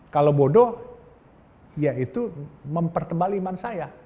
kalau bodoh ya itu mempertebali iman saya